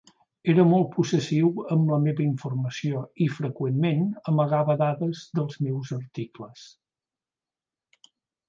Era molt possessiu amb la meva informació i, freqüentment, amagava dades dels meus articles.